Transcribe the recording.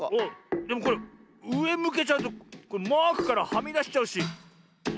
でもこれうえむけちゃうとマークからはみだしちゃうしあっダメだ。